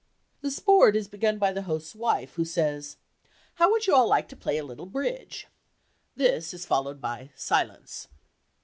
The sport is begun by the host's wife, who says, "How would you all like to play a little bridge?" This is followed by silence.